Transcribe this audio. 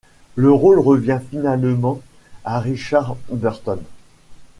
Le rôle revient finalement à Richard Burton.